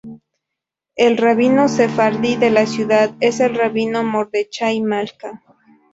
El rabino sefardí de la ciudad es el rabino Mordechai Malka.